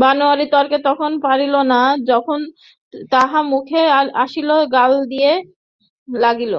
বনোয়ারি তর্কে যখন পারিল না তখন যাহা মুখে আসিল গাল দিতে লাগিল।